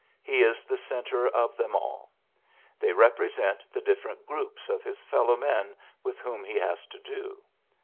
He is the centre of them all. They rep resent the different groups of his fellow men with whom he has to do.